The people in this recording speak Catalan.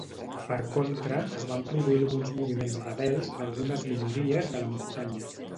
Per contra, es van produir alguns moviments rebels d'algunes minories de la muntanya.